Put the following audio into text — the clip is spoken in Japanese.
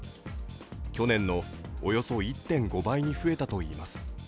去年のおよそ１．５倍に増えたといいます。